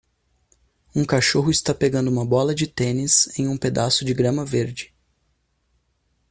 Um cachorro está pegando uma bola de tênis em um pedaço de grama verde.